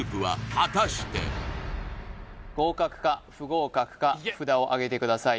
果たして合格か不合格か札をあげてください